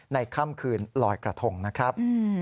ค่ำคืนลอยกระทงนะครับ